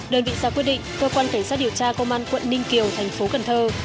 đơn vị ra quyết định cơ quan cảnh sát điều tra công an quận ninh kiều thành phố cần thơ